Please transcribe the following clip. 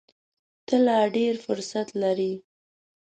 ته لا ډېر فرصت لرې !